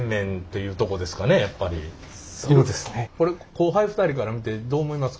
これ後輩２人から見てどう思いますか？